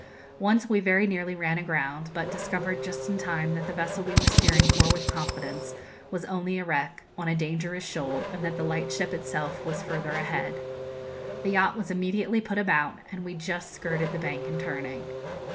Once we very nearly ran aground, but discovered just in time that the vessel we were steering for with confidence was only a wreck, on a dangerous shoal, and that the lightship itself was further ahead. The yacht was immediately put about, and we just skirted the bank in turning.